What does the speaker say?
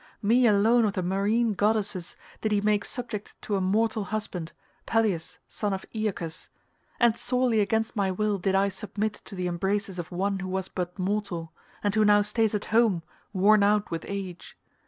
Me alone of the marine goddesses did he make subject to a mortal husband, Peleus son of Aeacus, and sorely against my will did I submit to the embraces of one who was but mortal, and who now stays at home worn out with age.